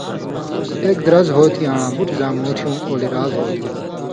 اېک درز ہو تھی آں بُٹ زاں مُوٹھیُوں اولیۡرال ہو تھہ۔